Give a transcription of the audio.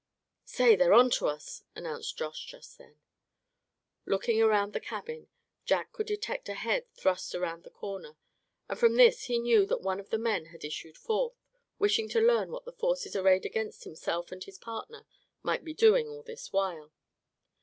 "Say, they're on to us," announced Josh just then. Looking toward the cabin, Jack could detect a head thrust around the corner; and from this he knew that one of the men had issued forth, wishing to learn what the forces arrayed against himself and his partner might be doing all this while.